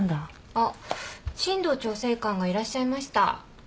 あっ眞堂調整官がいらっしゃいました。